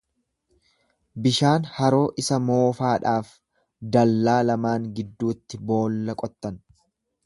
Bishaan haroo isa moofaadhaaf dallaa lamaan gidduutti boolla qottan.